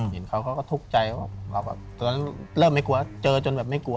เห็นเขาก็ทุกข์ใจเริ่มไม่กลัวจนไม่กลัว